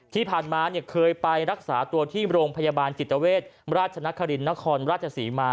ที่ผ่านมาเคยไปรักษาตัวที่โรงพยาบาลจิตเวชราชนครินนครราชศรีมา